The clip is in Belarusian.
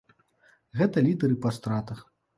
Гэта лідэры па стратах.